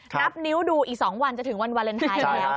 นับนิ้วดูอีก๒วันจะถึงวันวาเลนไทยแล้ว